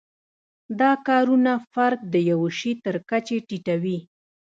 دا کارونه فرد د یوه شي تر کچې ټیټوي.